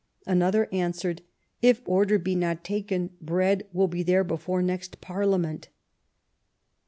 " Another answered : "If order be not taken, bread will be there before next Parliament '*.